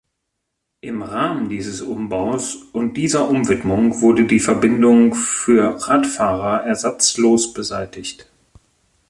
Im Rahmen dieses Umbaus und dieser Umwidmung wurde die Verbindung für Radfahrer ersatzlos beseitigt.